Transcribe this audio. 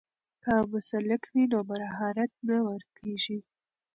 که مسلک وي نو مهارت نه ورکېږي.